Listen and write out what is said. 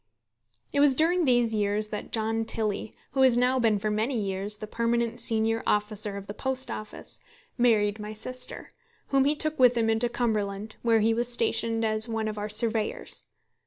It was during these years that John Tilley, who has now been for many years the permanent senior officer of the Post Office, married my sister, whom he took with him into Cumberland, where he was stationed as one of our surveyors.